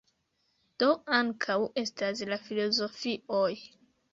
Do ankaŭ estas la filozofioj.